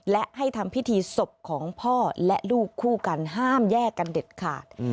และให้ทำพิธีศพของพ่อและลูกคู่กันห้ามแยกกันเด็ดขาด